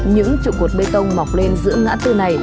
những trụ cột bê tông mọc lên giữa ngã tư này